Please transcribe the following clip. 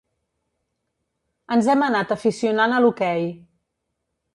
Ens hem anat aficionant a l'hoquei.